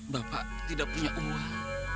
bapak tidak punya uang